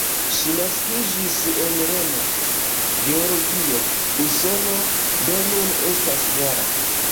Ŝi naskiĝis en Reno, Georgio, Usono, do nun estas -jara.